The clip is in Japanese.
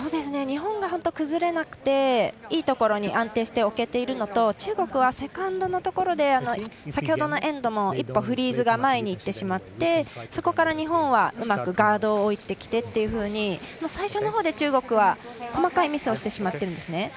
日本が崩れなくていいところに安定して置けているのと中国はセカンドのところで先ほどのエンドも１本フリーズが前に行ってしまってそこから日本はうまくガードを置いてきてというふうに最初のほうで中国は細かいミスをしてしまっています。